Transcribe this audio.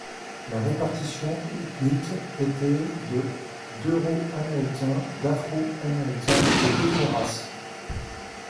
La répartition ethnique était de d'Euro-Américains, d'afro-américains et d'autres races.